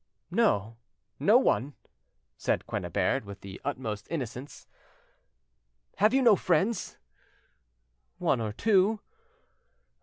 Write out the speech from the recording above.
"No, no one," said Quennebert, with the utmost innocence. "Have you no friends?" "One or two."